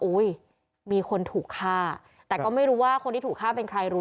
อุ้ยมีคนถูกฆ่าแต่ก็ไม่รู้ว่าคนที่ถูกฆ่าเป็นใครรู้